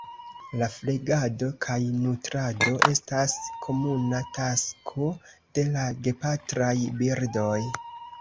La flegado kaj nutrado estas komuna tasko de la gepatraj birdoj.